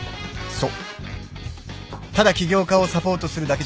そう。